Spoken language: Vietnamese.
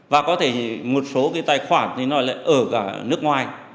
và có thể một số cái tài khoản thì nó lại ở cả nước ngoài